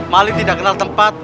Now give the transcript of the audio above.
mali tidak kenal tempat